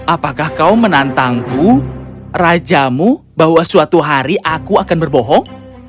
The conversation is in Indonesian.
apakah kau menantangku rajamu bahwa suatu hari aku akan berbohong